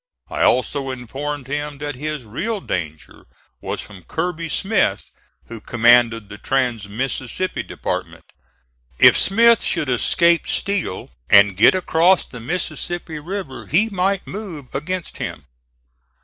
I also informed him that his real danger was from Kirby Smith, who commanded the trans Mississippi Department. If Smith should escape Steele, and get across the Mississippi River, he might move against him.